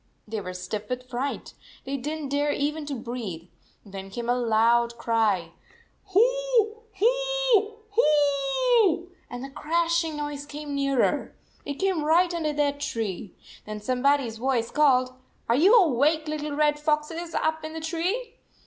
They were stiff with fright. They did n t dare even to breathe. Then came a loud cry, "Hoo, hoo, hooooooo," and the crashing noise came nearer. It came right under their tree. Then somebody s voice called, "Are you awake, little red foxes, up in the tree?"